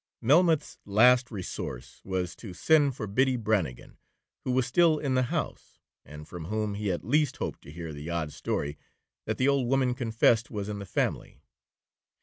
Melmoth's last resource was to send for Biddy Brannigan, who was still in the house, and from whom he at least hoped to hear the odd story that the old woman confessed was in the family.